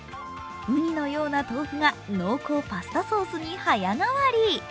うにのような豆腐が濃厚パスタソースに早替わり。